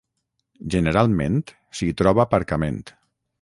generalment s'hi troba aparcament